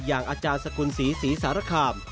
อย่างอาจารย์สกุลศรีศรีสารคาม